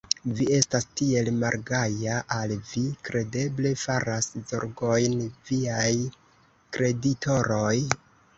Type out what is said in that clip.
Vi estas tiel malgaja, al vi kredeble faras zorgojn viaj kreditoroj?